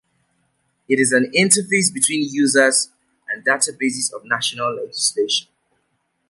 It is an interface between users and databases of national legislation.